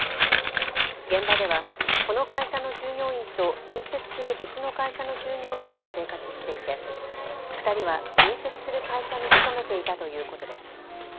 現場ではこの会社の従業員と隣接する別の会社の従業員が生活していて２人は隣接する会社に勤めていたということです。